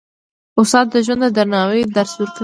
استاد د ژوند د درناوي درس ورکوي.